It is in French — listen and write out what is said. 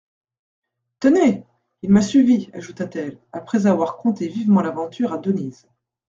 Tenez ! il m'a suivie, ajouta-t-elle, après avoir conté vivement l'aventure à Denise.